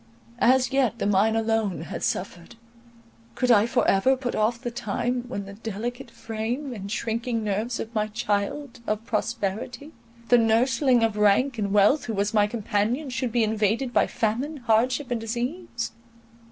As yet the mind alone had suffered—could I for ever put off the time, when the delicate frame and shrinking nerves of my child of prosperity, the nursling of rank and wealth, who was my companion, should be invaded by famine, hardship, and disease?